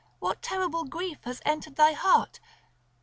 What terrible grief has entered thy heart?